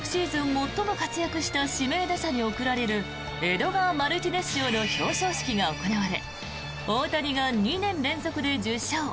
最も活躍した指名打者に贈られるエドガー・マルティネス賞の表彰式が行われ大谷が２年連続で受賞。